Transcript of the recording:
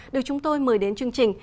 được chúng tôi mời đến chương trình